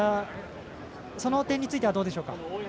その点についてはどうでしょうか。